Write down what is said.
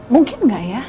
mungkin gak ya